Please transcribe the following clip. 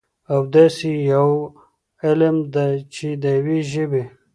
او داسي يوه علم ده، چې د يوي ژبې